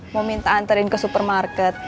mau minta anterin ke supermarket